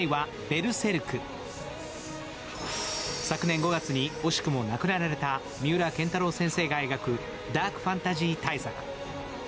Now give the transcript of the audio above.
昨年５月に惜しくも亡くなられた三浦建太郎先生が描くダークファンタジー大作。